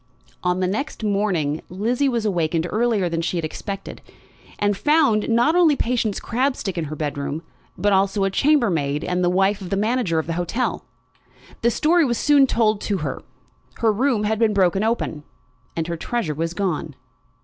On the next morning Lizzie was awakened earlier than she had expected, and found, not only Patience Crabstick in her bedroom, but also a chambermaid, and the wife of the manager of the hotel. The story was soon told to her. Her room had been broken open, and her treasure was gone.